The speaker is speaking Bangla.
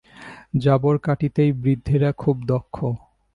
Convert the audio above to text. জাবর কাটিতেই বৃদ্ধেরা খুব দক্ষ।